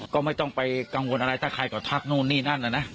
ก็ไม่ต้องไปกังวลอะไรถ้าใครก็ทักนู่นนี่นั่นน่ะนะ